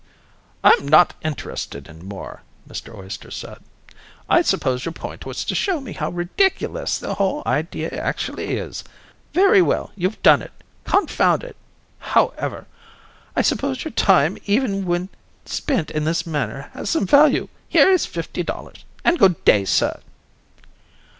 "I'm not interested in more," Mr. Oyster said. "I suppose your point was to show me how ridiculous the whole idea actually is. Very well, you've done it. Confound it. However, I suppose your time, even when spent in this manner, has some value. Here is fifty dollars. And good day, sir!"